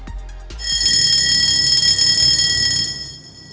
kedua gedung yang terdapat di dalam gedung tinggi